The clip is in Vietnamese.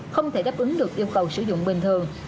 không thể đáp ứng được yêu cầu sử dụng bình thường